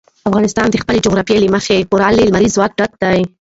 افغانستان د خپلې جغرافیې له مخې پوره له لمریز ځواک څخه ډک دی.